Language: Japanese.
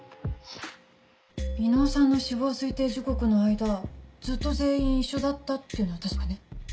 伊能さんの死亡推定時刻の間ずっと全員一緒だったっていうのは確かね？